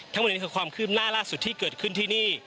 ทั้งหมดนี้คือความคืบหน้าล่าสุดที่เกิดขึ้นที่นี่